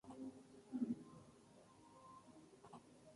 Nosotros no somos famosos y no esperamos que la gente venga a nosotros.